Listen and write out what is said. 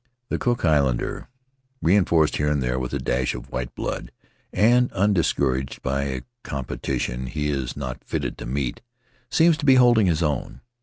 The Cook Islander, reinforced here and there with a dash of white blood, and undiscouraged by a competition he is not fitted to meet, seems to be holding his own.